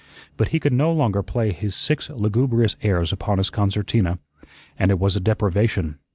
But he could no longer play his six lugubrious airs upon his concertina, and it was a deprivation.